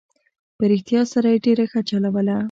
په رښتیا سره یې ډېره ښه چلوله.